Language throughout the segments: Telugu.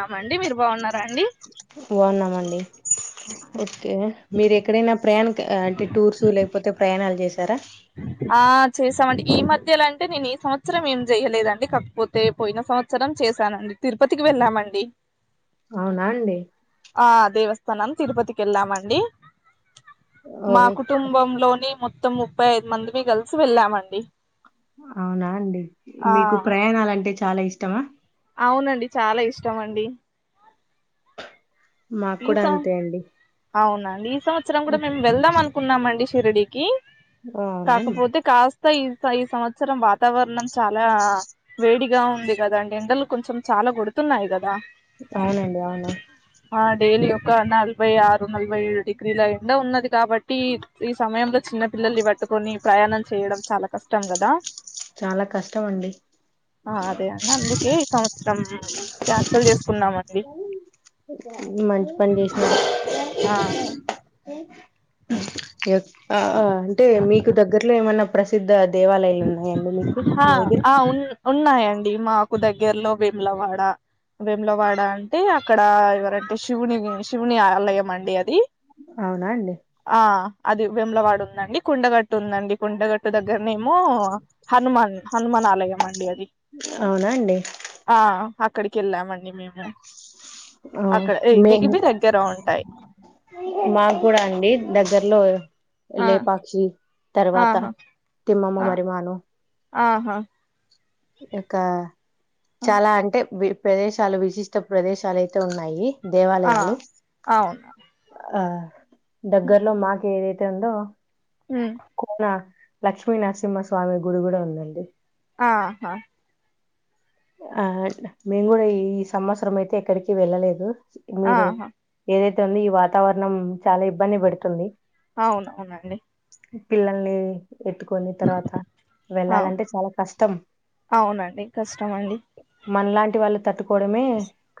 ఆమండి మీరు బాగున్నారా అండి బాన్నామండి ఓకే మీరు ఎక్కడైనా ప్రయాణం కా అంటే టూర్స్ లేకపోతే ప్రయాణాలు చే ఆ చేసామండి. ఈ మధ్యలో అంటే నేను ఈ సంవత్సరం ఏం చేయలేదండి. కాకపోతే పోయిన సంవత్సరం చేశానండి. తిరుపతికి వెళ్ళామండి. అవునా అండి కొన్నాల్ తిరుపతికి వెళ్ళామండి. ఓ మా కుటుంబంలోని మొ త్తము ముప్పై ఐదు మందిమి కలిసి వెళ్ళామండి అవునా అండి ఆ మీకు ప్రయాణాలంటే చాలా ఇష్టమా అవునండి చాలా ఇష్టం అండి మాకు ఈ కూడా సం అంతే అండి అవునా అండి ఈ సంవత్సరం కూడా మేము వెళ్దాం అనుకున్నామండి షిరిడీకి ఓ, అవునా అండి కాకపోతే కాస్ ఈ ఈ సంవత్సరం వాతావరణం చాలా వేడి గా ఉంది కదా అండి ఎండలు కొంచెం చాలా గొడుతున్నాయి కదా అవునండి అవును ఆ డైలీ ఒక నలభై ఆరు నలభై ఏడు డిగ్రీల ఎండా ఉన్నది కాబట్టి ఈ సమయంలో చిన్న పిల్లల్లు పట్టుకొని ప్రయాణం చేయడం చాలా కష్టం కదా చాలా కష్టం అండి ఆ అదే అండి అందుకే సంవత్సరం యాత్రలు చేసుకున్నామండి మంచి పని చేసినారు ఆ ఆ అంటే మీకు దగ్గరలో ఏమన్నా ప్రసిద్ధ దేవాలయాలు ఉ హా ఆ ఉ ఉన్నా ఉన్నాయండి మాకు దగ్గర్లో వేములవాడ వేములవాడ అంటే అక్కడా ఎవరంటె శి శివుని శివుని ఆలయం అండి అది అవునా అండి ఆ అది వేములవాడ ఉందండి కొండగట్టు ఉందండి కొండగట్టు దగ్గర్నె మో హనుమాన్ హనుమాన్ ఆలయం అండి అది అవునా అండి ఆ అక్కడికి వెళ్ళాంమండి మేము ఆ అక్కడ ఇది మేము ఇవి దగ్గర ఉంటాయి మా కూడా అండి దగ్గర్లో ఆ లేపాక్షి తర్వాత ఆహా తిమ్మమ్మ ఆ మరి మాను ఆహా ఇకా చాలా అంటే బి ప్రదేశాలు విశిష్ట ప్రదేశాలయితే ఉన్నాయి ఆ దేవాలయాలు అవునా ఆ దగ్గరలో మాకు ఏదైత్ ఏందో ఉమ్ కోనా లక్ష్మీనరసింహ స్వామి గుడి కూడా ఉందండి ఆహా ఆ మేము కూడా ఈ ఈ సంవత్సరం అయితే ఎక్కడికి వెళ్ళలేదు మీరు ఆహా ఏదైత్ కొన్ని ఈ వాతావరణం చాలా ఇబ్బంది పెడుతుంది అవునవునండి పిల్లల్నీ ఎత్తుకొని తర్వాత అవును వెళ్ళాలంటే చాలా కష్టం అవునండి కష్టమండి మనలాంటి వాళ్ళు తట్టుకోవడమే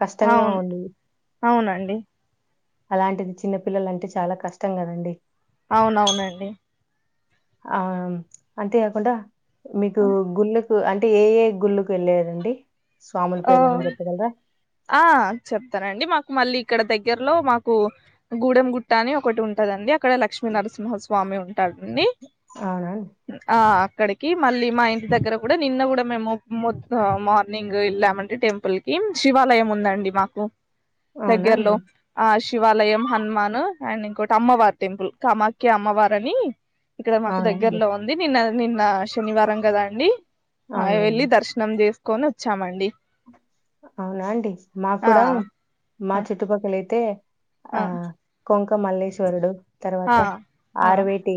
కష్టంగా అవును ఉంది అవునండి అలాంటిది చిన్నపిల్లలంటే చాలా కష్టం కదండి అవునవునండి ఆ అంతే కాకుండా మీకు గుల్ల అంటే ఏ ఏ గుళ్ళకు వెళ్ళారండి డి స్వాముల ఓ పేర్లేమైన చెప్పగలరా ఆ చెప్తానండి మాకు మళ్ళీ ఇక్కడ దగ్గరలో మాకు గూడెం గుట్ట అని ఒకటి ఉంటదండి అక్కడ లక్ష్మీ నరసింహస్వామి ఉన్ టాడండి అవునా అండి? ఆ ఇక్కడికి మళ్ళీ మా ఇంటి దగ్గర కూడా నిన్న కూడా మేము మొత్త మార్నింగ్ వెళ్ళామండి టెంపుల్కి శివాలయం ఉందండి మాకు అవునా అండి? దగ్గర్లో ఆ శి శివాలయం హనుమాన్ అండ్ ఇంకోటి అమ్మవార్ టెంపుల్ కామాఖ్య అమ్మవార అని ఇక్కడ మాకు అవునా అండి? దగ్గరలో ఉంది నిన్న నిన్న శనివారం కదా అండి అ వెళ్ళి అవునులెండి. దర్శనం చేస్ కొనొచ్చామండి అవునా అండి మాకు కూడా మా ఆ చుట్టుపక్కల తే ఆ కొంక్ ఒక మల్లీశ్వరుడు ఆ తర్వాత ఆ ఆరవేటి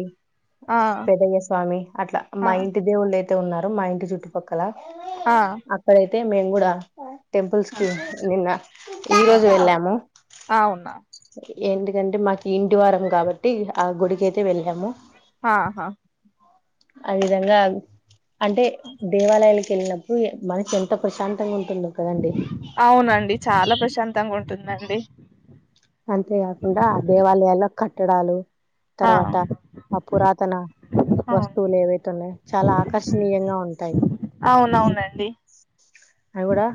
ఆ పెదయ్యస్వామి అట్లా ఆ మా ఇంటి దేవుళ్ళు [inaudible] అంతే ఉన్నారు. మా ఇంటి చుట్టుపక్కల ఆ అంతే మేము కూడా టెంపుల్స్ కి నిన్న ఈ ఆ రోజు వెళ్ళాము. ఆ అవునా ఎందుకంటే మాకు ఇంటి వారం, కాబట్టి ఆ గుడికైతే వెళ్ళాము ఆహా ఆ విధంగా అంటే దేవాలయాల్ తిన్నప్పుడు మనసు ఎంతో ప్రశాంతంగా ఉంటుందో కదండి అవునండి. చాలా ప్రశాంతంగా ఉంటుంది. నండి అంతే కాకుండా దేవాలయల కట్టడాలు ఆ తర్వాత ఆ పురాతన అవును వస్తువులు ఏవైతే ఉన్నాయో చాలా ఆకర్షణీయంగా ఉంటాయి. అవునవునండి అవ్ కూడా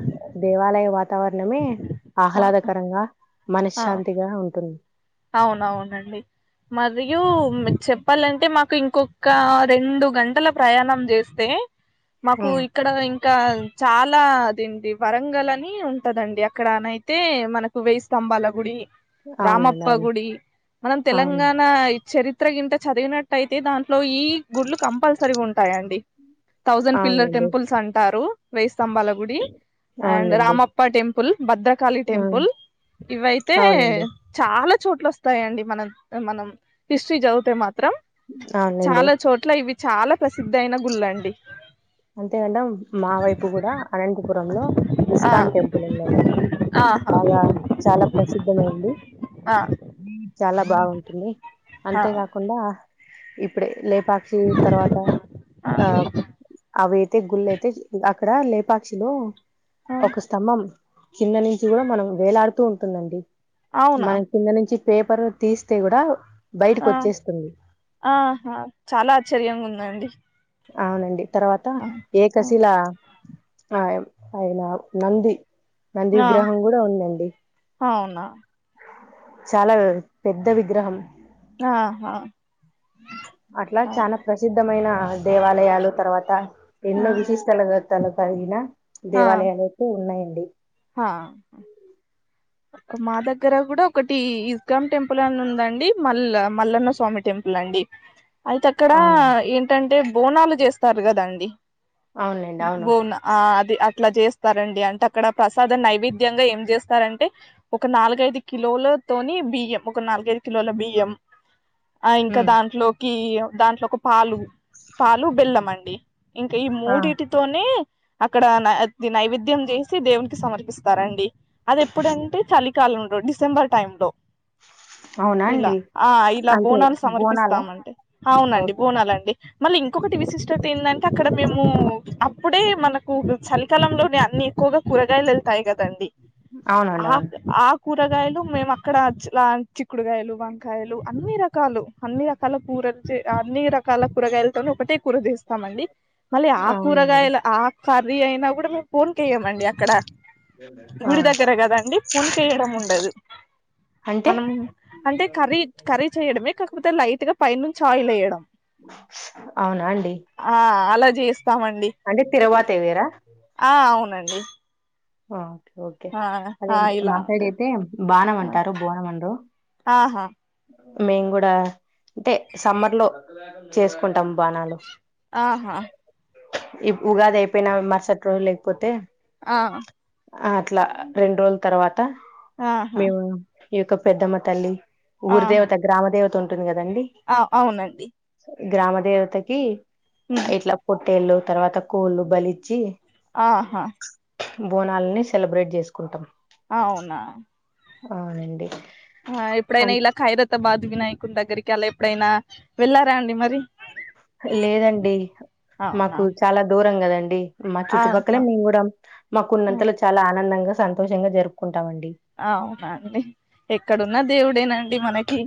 దేవాలయ వాతావరణమే ఆ ఆహ్లాదకరంగా ఆ మనశ్శాంతిగా ఉంటుంది. అవునవునండి. మరియు చెప్పాలంటే మాకు ఇంకొక రెండు గంటల ప్రయాణం చేస్తే మాకు ఉమ్, ఇక్కడ ఇం ఇంకా చాలా అదిండి. వరంగల్ అని ఉంటదండి. అక్కడనయితే మనకు వేయి స్తంభాల గుడి అవునులేండి రామప్ప గుడి మనం తెలంగాణ చరిత్ చిత్రగింట చదివినట్టయితే, దాంట్లో ఈ గుళ్ళు కంపల్సరీగా ఉంటాయండి. థౌజండ్ పిల్లర్ అవునండి టెంపుల్స్ అంటారు. వేసి స్థంబాల గుడి అండ్ అవునండి రామప్ప టెంపు భద్రకాళి ఆ టెంపుల్ ఇవైతే అవునండి చాలా చోట్ల వస్తాయి అండి మనం మనం హిస్టరీ చదివితే మాత్రం మాత్రం అవునండి చాలా చోట్ల ఇవి చాలా ప్రసిద్ధయిన గుళ్ళు అండి అంతే కడా మా వైపు కూడా అనంతపురం లో ఆ ఇస్కాన్ టెంపుల్ ఉందండి ఆహా బాగా చాలా ప్రసిద్ధమైంది ఆ చాలా బాగుంటుంది ఆ ఆ అంతే కాకుండా ఇప్పు ఇప్పుడే లేపాక్షి తర్వాత ఆ అవి అయితే గుళ్ళు అయితే అక్కడ లేపాక్షిలో ఆ ఒక స్తంభం కింది నుంచి కూడా మనకు వేలాడుతూ ఉంటుందండి అవునా మనం కింద నుంచి పేపరు తీస్తే కూడా బయటకు ఆ వచ్చేస్తుంది ఆహా చాలా ఆశ్చర్యంగా ఉంది అండి అవునండి తర్వాత ఏకా శిల ఆ ఆయన నంది నంది విగ్రహం కూడా ఉందండి న చాలా పెద్ద విగ్రహం ఆహా అట్లా చాలా ఆ ప్రసిద్ధమైన దేవాలయాలు తర్వాత ఎన్నో విశేష తెలగా కనుక అయిన ఆ దేవాలయాలు అయితే ఉన్నాయండి కు ఆ మా దగ్గర కూడా ఒకటి ఇస్కాం టెంపుల్ అని ఉందండి మల్ల మల్లన్న స్వామి టెంపుల్ అండి అయితే అక్కడ అవును ఏంటంటే బోనాలు చేస్తారు కదండి అవునండి అవును బోనా ఆ అదే అట్లా చేస్తారండి అంటే అక్కడ ప్రసాదం నైవేద్యంగా ఏం చేస్తారంటే ఒక నాలుగైదు కిలోలతోని బియ్యం ఒక నాలుగైదు కిలోల బియ్యం ఆ ఇంకా ఉమ్ దాంట్లోకి ఈ దాంట్లో ఒక పాలు పాలు బెల్లం అండి ఇంకా ఈ ఆ మూడిటితోనే అక్కడ నత్ నైవేద్యం చేసి దేవుని సమర్పిస్తారండి అది ఎప్పుడుంటే చలికాలంలో డిసెంబర్ టైం లో అవునా ఇలా అండి ఆ ఇలా అంటే బోనాలు బోనాల సమర్పిస్తామండి అవునండి ఓకే బోనాలండి మళ్ళీ ఇంకొకటి విశిష్టత ఎందంటే అక్కడ మేము అప్పుడే మనకు చలికాలంలోనే అన్ని ఎక్కువగా కూర కాయలు తాయ్గా తంది అవునండి అవును ఆక్ ఆక్ కూరగాయలు మేము అక్కడచి ల చిక్కుడుగాయలు వంకాయలు అన్ని రకాలు అన్ని రకాల కూరలు అన్ని రకాల కూరగాయలతో ఒకటే కూర చేస్తామండి మళ్ళీ ఆ అవునండి కూరగాయల ఆ కర్రీ అయినా కూడా మేము ఫోన్కయ్యమండి అక్కడ ఆ గుడి దగ్గర కదండి పునికేయడం ఉండదు అంటే మనం అంటే కర్రీ కర్రీ చేయడమే కాకపోతే లైట్ గా పైన నుంచి ఆయిల్ వేయడం అవునా అండి ఆ అలా చేస్తామండి అంటే తిరువాత వేరా ఆ అవునండి అ ఆ ఓకే అదే ఇలా మాసైడ్ ఉంటది అయితే బానం ఆ అంటారు బోనం అనరు ఆహా మేము కూడా అంటే సమ్మర్ లో చేసుకుంటాము బాణాలు ఆహా ఈప్ ఉగాది అయిపోయినా మరుసట రోజు లేకపోతే ఆ ఆ అట్లా రెండు రోజుల తర్వాత్ త ఆహా మేము ఈ యొక్క పెద్దమ్మ తల్లి ఊర్ ఆహా దేవత గ్రామ దేవత ఉంట్ టుది కద్ ఆ అవునండి గ్రామ దేవతకి ఉమ్, ఎట్లా కొ ట్టేళ్ళు తర్వాత కూళ్ళు బలిచ్చి ఆహా బోనాలని సెలబ్రేట్ చేసుకుంటాం అవునా అవునండి ఆ ఇప్పుడైనా ఇలా ఖైరతబాద్ వినాయకుడి దగ్గరికి అలా ఎప్పుడైనా వెళ్లారా అండి మరి లేదండి అవునా మాకు చాలా దూరం కదండి మా చుట్టుపక్కల ఆహా మేము కూడా మాకు ఆ. ఉన్నంతలో చాలా ఆనందంగా సంతోషంగా జరుపుకు అవునా అండి ఎక్కడున్న దేవుడేనండి మనకి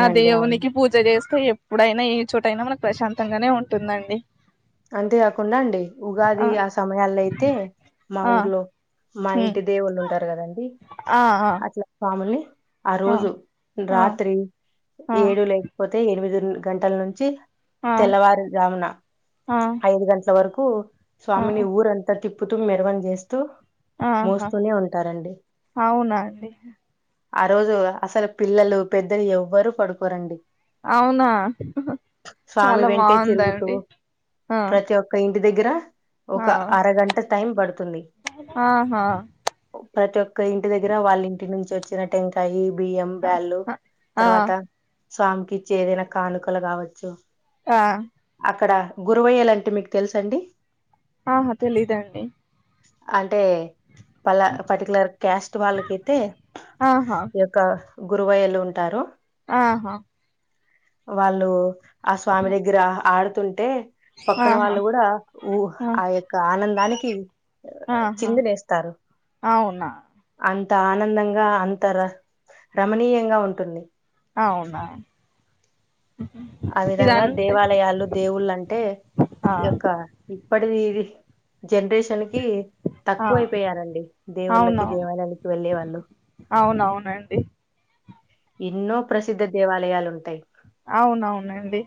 ఆ అవును దేవునికి పూజ చేస్తే ఎప్పు ప్పుడైనా ఏ చోట అయినా మనకు ప్రశాంతంగానే ఉంటుందండి అంతేకాకుండా అండి ఉగాది ఆ సమయాల్లో అయితే మా ఆ ఊర్లో మా ఇంటి దేవుళ్ళు ఉంటారు కదండి ఆహా పాముల్ని ఆ రోజు రాత్రి ఆ ఏడు లేకపోతే ఎనిమిది గంటల నుంచి ఆ తెల్లవారు జామున ఆ ఐదు గంటల వరకు కు ఆ స్వామిని ఊర అంతా తి పుతుమ్ మెరవని చేస్తూ ఆహా మోస్తూనే ఉంటారండి అవునా అండి అ ఆ రోజు అసలు పిల్లలు పెద్దలు ఎవ్వరూ పడుకోరండి. అవునా స్వామి చాలా వెంటే తిరుగుతూ బాగుందండి ఆ ప్రతి ఒక్క ఇంటి దగ్గర ఒక ఆ అరగంట టైం పడుతుంది. ఆహా ప్రతొక్క ఇంటి దగ దగ్గర వాళ్ళ ఇంటి నుంచి వచ్చిన టెంకాయి బియ్యం అ బ్యాళ్లు ఆ తర్వాత స్వామికిచ్చే ఏదైనా కానుకలు కావచ్చు ఆ అక్కడ గురువయ్యలంటె మీకు తెలుస అండి? ఆహా తెలీదండి అంటే పల పర్టీకలర్ కస్ట్ వాళ్ళకైతే ఆహా ఈ యొక్క గురువయ్యలు ఉంటారు ఆహా వాళ్ళు ఆ స్వామి దగ్గర ఆహ్ ఆడ తుంటే పక్కన ఆహా వాళ్ళు కూడా ఊ ఆ యొక్క ఆనందానికి ఆహా చిందులేస్తారు అవునా అంత ఆనందంగా అంత ర రమణీయంగా ఉంటుంది అవునా ఆ విధంగా ఇదంతే దేవాలయాలు దేవుళ్ళ అంటే ఆ యొక్క ఇప్పటి ది జనరేషన్ కి ఆ తక్కువ అయిపోయారండి దేవుళ్ళకి అవునవును దేవాలయకి వెళ్ళే వాళ్ళు అవునవునండి ఎన్నో ప్రసిద్ధ దేవాలయాలు ఉంటయి. అవునవునండి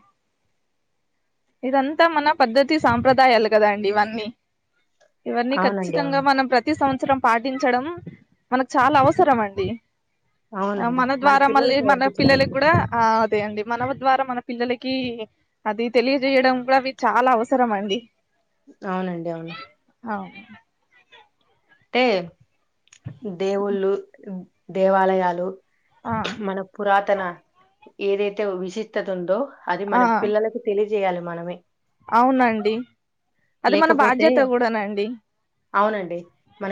ఇదంతా మన పద్ధతి సాంప్రదాయాలు కదా అండి ఇవన్నీ ఇవన్నీ అవునండి ఖచ్చితంగా అవును మనం ప్రతి సంవత్సరం సంవత్సరం పాటించడం మనకు చాలా అవసరం అండి ఆ అవునండి మన ద్వారా మళ్ళీ పిల్లలకు మన పిల్లలకి నేర్పించడానికి కూడా అదే అండి మన ద్వారా మన పిల్లలకి అది తెలియజేయడం కూడా అవి చాలా అవసరం అండి అవునండి అవును అవును అంటే దేవుళ్ళు దేవాలయాలు ఆ మన పురాతన ఏదైతే విశిత్తత ఉందో అది ఆ మన పిల్లలకి తెలి చేయాలి మనమే అవునండి అది మన లేకపోతే బాధ్యత కూడానండి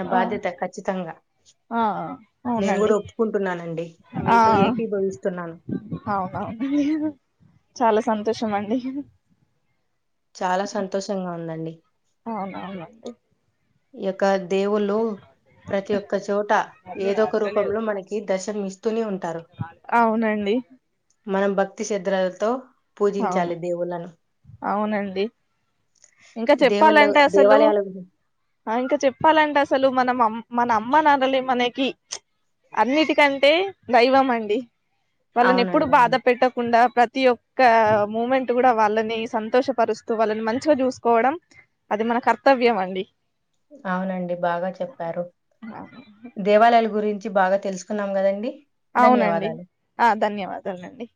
నా ఆ బాధ్యత ఖచ్చితంగా ఆ నేను అవునండి కూడా ఒప్పుకుంటున్నానండి ఆ మీతో ఏకీభవిస్తున్నాను అవునవునండి చాలా సంతోషం అండి చాలా సంతోషంగా ఉందండి అవునవునండి ఎ కా దేవుళ్ళు ప్రతి ఒక్క చోట ఏదో ఒక రూపంలో మనకి దర్శ తర్ మీ అవునండి మనం భక్తి శద్రలతో అవును అవునండి ఇంకా దేవుళ్ళ చెప్పాలంటే అసలు దేవాలయాల గురి- ఇంకా చెప్పాలంటే అసలు మనం మన అమ్మ నాన్నలే మనకి అన్నిటికంటే దైవం అండి వాళ్ళని ఎప్పుడు అవునండి బాధ అవును పెట్టకుండా ప్రతి ఒ క్క మూమెంట్ కూడా వాళ్ళని సంతోషపరుస్తూ వాళ్ళని మంచిగా చూసుకోవడం అది మన కర్తవ్యం అండి అవునండి బాగా చెప్పారు దేవాలయాల గురి చి బాగా తెలుసుకున్నాం కదండి అవునండి ధన్యవాదాలు. ఆ ధన్యవాదాలు అండి